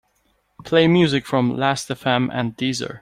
Play music from Lastfm and Deezer.